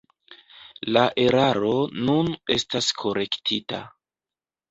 La eraro nun estas korektita.